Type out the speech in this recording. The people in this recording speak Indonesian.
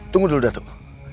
tunggu dulu dato'